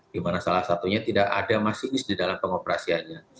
di mana salah satunya tidak ada masinis di dalam pengoperasiannya